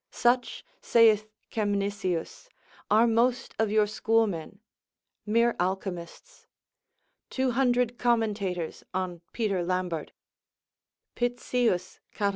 Such, saith Kemnisius, are most of your schoolmen, (mere alchemists) 200 commentators on Peter Lambard; (Pitsius catal.